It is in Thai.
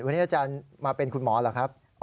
วันนี้อาจารย์มาเป็นคุณหมอเหรอครับ